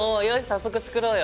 早速作ろうよ。